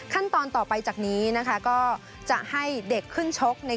ขั้นตอนต่อไปจากนี้นะคะก็จะให้เด็กขึ้นชกใน